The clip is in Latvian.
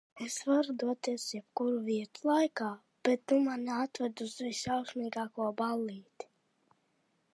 Es varu doties uz jebkuru vietu laikā, bet tu mani atved uz visšausmīgāko ballīti?